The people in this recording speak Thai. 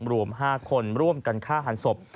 รวม๕คนร่วมกันฆ่าหันศพ